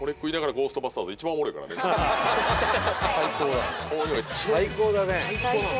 最高だね。